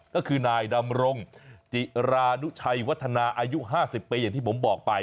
ก็คือนายดำรงจิรานุชัยวัฒนาอายุ๕๐ปีอย่างที่ผมบอกไป